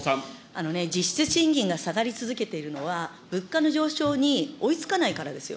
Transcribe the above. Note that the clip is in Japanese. あのね、実質賃金が下がり続けているのは、物価の上昇に追いつかないからですよ。